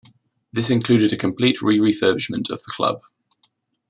This included a complete re-refurbishment of the club.